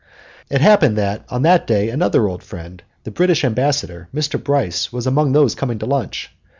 It happened that on that day another old friend, the British Ambassador, Mr. Bryce, was among those coming to lunch.